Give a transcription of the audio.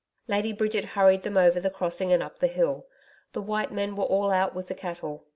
Lady Bridget hurried them over the crossing and up the hill. The white men were all out with the cattle.